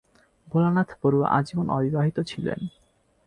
ভোলানাথ বরুয়া আজীবন অবিবাহিত ছিলেন।